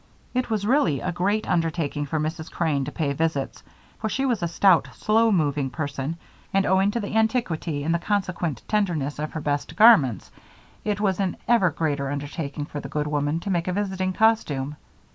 It was really a great undertaking for Mrs. Crane to pay visits, for she was a stout, slow moving person, and, owing to the antiquity and consequent tenderness of her best garments, it was an even greater undertaking for the good woman to make a visiting costume.